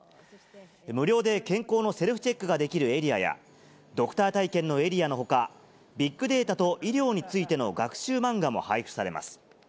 無料で健康のセルフチェックができるエリアや、ドクター体験のエリアのほか、ビッグデータと医療についての学習漫画も配布されます。